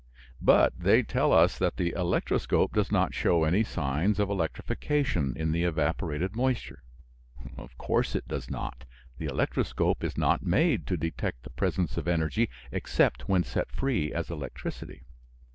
But they tell us that the electroscope does not show any signs of electrification in the evaporated moisture. Of course it does not. The electroscope is not made to detect the presence of energy except when set free as electricity.